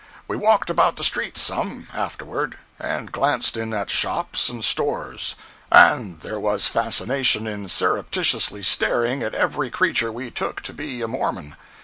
We walked about the streets some, afterward, and glanced in at shops and stores; and there was fascination in surreptitiously staring at every creature we took to be a Mormon.